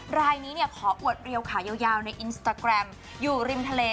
รายนี้ขออวดเรียวขายาวในอินสตาแกรมอยู่ริมทะเล